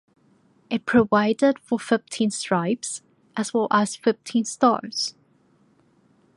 It provided for fifteen stripes as well as fifteen stars.